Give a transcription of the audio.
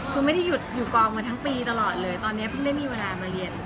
คือไม่ได้หยุดอยู่กองมาทั้งปีตลอดเลยตอนนี้เพิ่งได้มีเวลามาเรียน